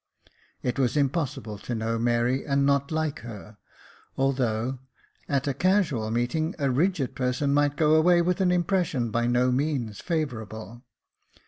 It was impossible to know Mary and not like her, although, at a casual meeting, a rigid person might go away with an impression by no means favourable.